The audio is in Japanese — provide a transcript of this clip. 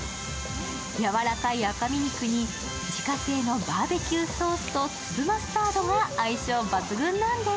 やわらかい赤身肉に自家製のバーベキューソースと粒マスタードが相性抜群なんです。